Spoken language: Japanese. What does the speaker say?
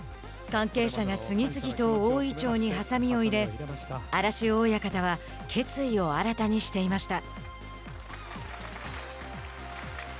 関係者が次々と大いちょうにはさみを入れ荒汐親方は決意を新たにしていました。